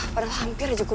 padahal hampir aja gue